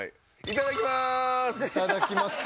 いただきます。